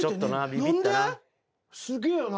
すげえよな。